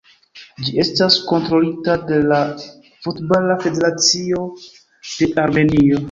Ĝi estas kontrolita de la Futbala Federacio de Armenio.